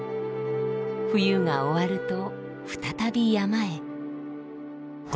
冬が終わると再び山へ。